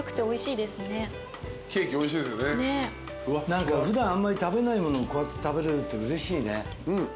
何か普段あんまり食べないものをこうやって食べれるってうれしいね。